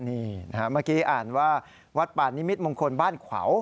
เมื่อกี้อ่านว่าวัดป่านิมิตมงคลบ้านขวาว